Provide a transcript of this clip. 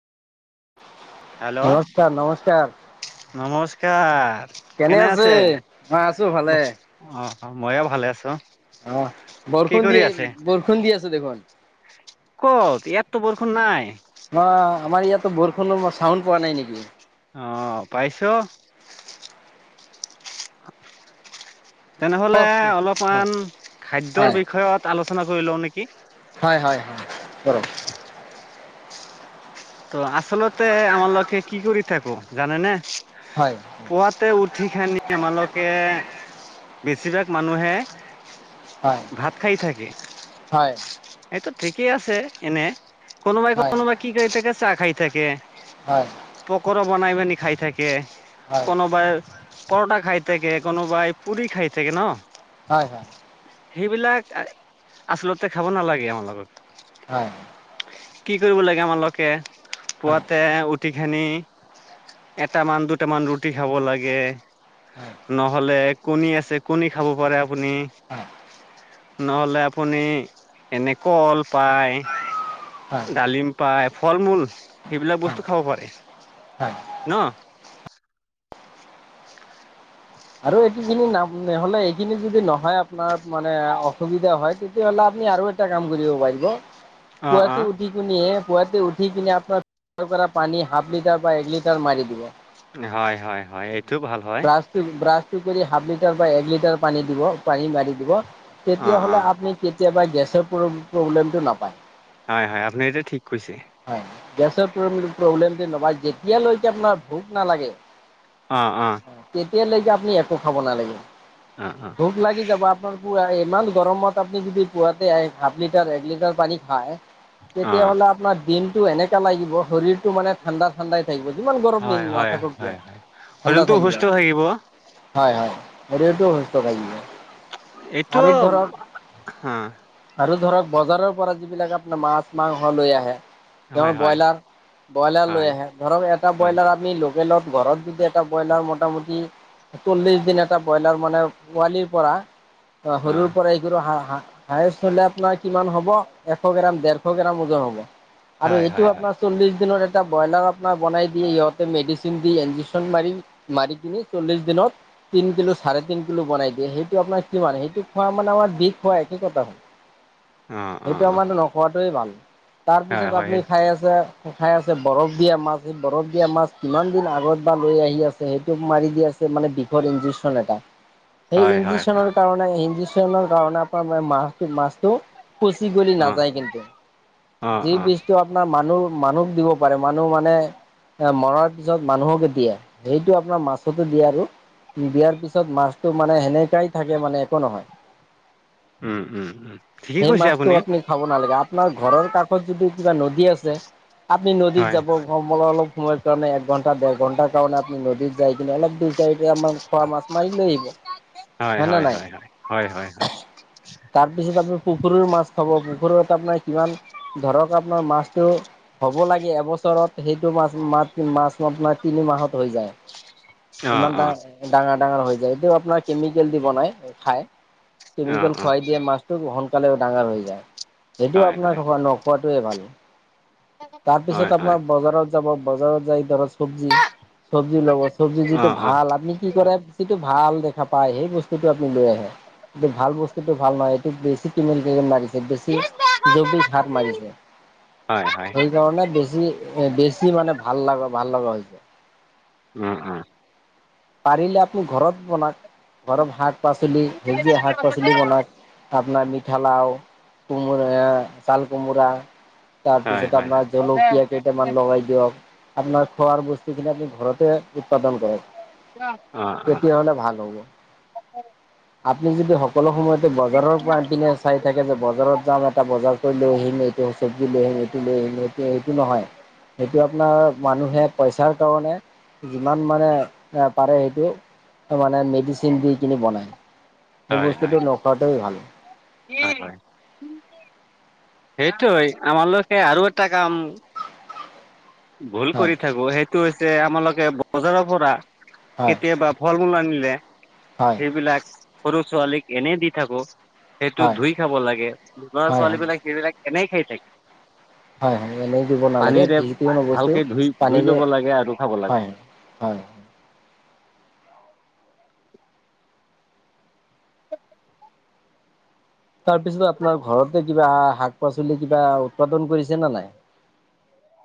Hello নমস্কাৰ নমস্কাৰ নমস্কাৰ। কেনে আছে মই আছো ভালে অ মইও ভালে আছোঁ। অহ বৰষুণ দিয়ে বৰষুণ দি আছে দেখোন। ক'ত ইয়াতটো বৰষুণ নাই। অ আমাৰ ইয়াতটো বৰষুণৰ চাউণ্ড পোৱা নাই নেকি। অ পাইছোঁ। তেনেহ'লে হয় অলপমান খাদ্যৰ হয় বিষয়ত আলোচনা কৰি লওঁ নেকি। হয় হয় কৰোঁ। ত' আচলতে আমা লোকে কি কৰি থাকোঁ জানে নে। হয় পুৱাতে উঠি [unintelligible] আমালোকে। বেছিভাগ মানুহে হয় ভাত খাই থাকে। হয় হয় এইটো ঠিকেই আছে এনে, হয় কোনোবাই-কোনোবাই কি কৰি থাকে, চাহ খাই থাকে। হয় হয় পকৰা বনাই মানি খাই থাকে। হয় কোনোবাই পৰঠা খাই থাকে, কোনোবাই পুৰি খাই থাকে ন'? হয়, হয়। সেইবিলাক আ-আচলতে খাব নালাগে আমাৰ লগত। হয়। কি কৰিব লাগে আমালোকে, পুৱাতে উ টি খানি এটামান-দুটামান ৰুটি খাব লাগে। নহ'লে কণী আছে, কণী খাব পাৰে আপুনি। নহ'লে আপুনি এনে কল পায়, ডালিম পা পাই, ফল-মূল সেইবিলাক বস্তু খাব পাৰে। ন'? আৰু এইটো খিনি নে-নে-নহ'লে এইখিনি যদি নহয় আপোনাৰ মানে, অসুবিধা হয়, তেতিয়া হ'লে আপুনি আৰু এটা কাম কৰিব পাৰিব, অ অ পুৱাতে উঠি কিনিয়ে পুৱাতে উঠি কিনে আপোনাৰ [unintelligible] কৰা পানী হাফ লিটাৰ বা এক লিটাৰ মাৰি দিব। হয়, হয়, হয়, এইটো ভাল হয়। ব্ৰাছটো ব্ৰাছটো কৰি হাফ লিটাৰ বা এক লিটাৰ পানী দিব, পানী মাৰি দিব, অ অ তেতিয়াহ'লে আপনি কি কেতিয়াবা গেছৰ প্ৰব-প্ৰব্লেমটো নাপায়। হয়, হয়, আপুনি এইটো ঠিক কৈছে। হয়, গেছৰ প্ৰব্লে-প্ৰব্লেমটো নাপাই, যেতিয়ালৈকে আপোনাৰ ভোক নালাগে, অ' অ', তেতিয়ালৈকে আপুনি একো খাব নালাগে। অ অ ভোক লাগি যাব আপোনাৰ পুৱা এ ইমান গৰমত আপুনি যদি পুৱাতে এ-হাফ লিটাৰ এক লিটাৰ পানী খায়, অ তেতিয়াহ'লে আপ্‌নাৰ দিনটো এনেকা লাগিব, শৰীৰটো মানে ঠাণ্ডা-ঠাণ্ডা থাকিব। যিমান গৰম হয় দিন হয় নাথাকক হয় কিয়, হয় ঠাণ্ডা শৰীৰটো থাকি সুস্থ যাব। থাকিব হয়, হয়। শৰীৰটো সুস্থ থাকিব। এইটো, আৰু ধৰক হা। আৰু ধৰক বজাৰৰ পৰা যিবিলাক আপনাৰ মাছ-মাংস লৈ আহে, তেওঁৰ হয় হয় ব্ৰইলাৰ, ব্ৰইলাৰ লৈ হয় আহে, ধৰক এটা হয় ব্ৰইলাৰ আমি ল তেলত, ঘৰত যদি এটা ব্ৰইলাৰ মোটামুটি চল্লিছ দিন এটা ব্ৰইলাৰ মানে পোৱালিৰ পৰা, অ সৰুৰ পৰা, এই সৰু হাঁহ-হাঁহ হায়েষ্ট হ'লে আপোনাৰ কিমান হ'ব? এশ গ্ৰাম-দেৰশ গ্ৰাম ওজন হ'ব। আৰু হয় এইটো হয় হয় আপোনাৰ চল্লিশ দিনৰ এ এটা ব্ৰইলাৰ আপোনাৰ বনাই দিয়ে ইহঁতে মেডিচিন দি ইনজেকচন মাৰি, মাৰি কিনি চল্লিশ দিনত, তিন কিলো, চাৰে তিন কিলো বনাই দিয়ে, সেইটো আপোনাৰ কিমান, সেইটো খোৱা মানে আমাৰ বিষ খোৱা একে কথা হ'ল। অ অ সেইটো অ আমাৰ নোখোৱাটোৱে ভাল। হয় তাৰপিছত হয় আপুনি খাই আছে, খাই আছে বৰফ দিয়া মাছ, সেই বৰফ দিয়া মাছ কিমান দিন আগত বা লৈ আহি আছে, সেইটোক মাৰি দি আছে মানে বিষৰ ইঞ্জেকচন এটা। সেই হয় হয় হয় ইনজিচনৰ কাৰণে ইনজেকচনৰ কাৰণে আপোনাৰ মাছটো-মাছটো পচি গলি অ নাযাই কিন্তু, অ যি অ বিচটো আপোনাৰ মানুহ মানুহক দিব পাৰে, মানুহ মানে এ মৰাৰ পিছত মানুহক দিয়ে, সেইটো আপোনাৰ মাছতো দিয়ে আৰু। দিয়াৰ পিছত মাছটো মানে সেনেকাই থাকে মানে একো নহয়। উম উম উম ঠিকেই সেই কৈছে মাছটো আপুনি আপনি খাব নালাগে। আপোনাৰ ঘৰৰ কাক কিবা নদী আছে, আপ্‌নি নদীত হয় যাব, [unintelligible] অলপ সময়ৰ কাৰণে, এক ঘন্টা দেৰ ঘণ্টাৰ কাৰণে, নদীত যাই কিনে অলপ দুই-চাৰিটা মান খোৱা মাছ মাৰি লৈ আহিব। হয় না নাই? হয় হয় হয় হয় [inaudible] তাৰপিছত আপুনি পুখুৰীৰ মাছ খাব, পুখুৰত আপনাৰ কিমান ধৰক আপোনাৰ মাছটো হ'ব লাগে এবছৰত, সেইটো মাছ-মা-মাছ আপোনাৰ তিনি মাহত হৈ যায়। অ ইমান অ ডাঙ-ডাঙাৰ-ডাঙাৰ হৈ যায়। এইটো আপ্‌নাৰ কেমিকেল দি বনায়। খাই, অ কেমিকেল অ খুৱাই দিয়ে মাছটো সোনকালে ও ডাঙাৰ হৈ যায়। সেইটো হয় আপোনাৰ হয় নোখোৱাতোৱে ভাল, হয় তাৰপিছত হয় আপোনাৰ বজাৰত যাব বজাৰত যাই ধৰ চব্জি চব্জি ল'ব চব্জি অ যিটো অ ভাল আপুনি কি কৰে যিটো ভাল দেখাব পাই সেই বস্তুটো আপুনি লৈ আহে, এই ভাল বস্তুটো ভাল নহয় এইটো বেছি‌ কেমিকেল লাগিছে। বেছি জৈৱিক হাত মাৰিছে। হয় হয় সেইকাৰণে বেছি বেছি মানে ভাল লাগা ভাল। [unintelligible] উম, উম। পাৰিলে আপুনি ঘৰত বনাওক। ঘৰত শাক পাচলি সেউজীয়া শাক পাচলি বনাওক। আপোনাৰ মিঠালাও, কোমোৰা, চাল কোমোৰা। হয় তাৰপিছত আপোনাৰ জলকীয়া কেইটামান হয় লগাই দিয়ক, আপোনাৰ খোৱাৰ বস্তু খিনি আপুনি ঘৰতে উৎপাদন কৰক, অ' অ' তেতিয়াহ'লে ভাল হ'ব। আপুনি যদি সকলো সময়তে বজাৰৰ পৰা আন পিনে চাই থাকে যে বজাৰত যাম টা বজাৰ কৰি লৈ আহিম, এইটো চব্জি লৈ আহিম, এইটো লৈ আহিম, এইটো এইটো নহয়। সেইটো আপোনাৰ মানুহে পইচাৰ কাৰণে যিমান মানে এ, পাৰে সেইটো মানে মেডিচিন দি কিনি বনাই। সেই হয় হয় বস্তুটো নোখোৱাটোয়ে ভাল। সেইটোয়ে আমালোকে আৰু এটা কাম ভুল হয় কৰি থাকো সেইটো হৈছে, আমালোকে বজাৰৰ পৰা হয়। কেতিয়াবা ফল-মূল আনিলে হয় সেইবিলাক সৰু ছোৱালীক এনে দি থাকোঁ, সেইটো হয় ধুই খাব লাগে, হয় লৰা হয় ছোৱালীবিলাক সেইবিলাক এনেই খাই থাকে। হয়, হয় এনেই দিব নালাগে, পানীৰে বিলটো যিকোনো বস্তু ভালকে ধুই ধুই পানীৰে, ল'ব লাগে আৰু খাব লাগে হয় হয়। তাৰ পিছত আপোনাৰ ঘৰতে কিবা শাক পাচলি কিবা উৎপাদন কৰিছে নে নাই? [unintelligible]